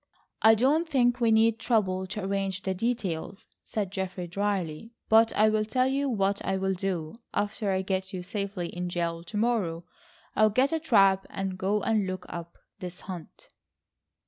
"I don't think we need trouble to arrange the details," said Geoffrey drily. "But I'll tell you what I will do. After I get you safely in jail to morrow, I'll get a trap and go and look up this hut."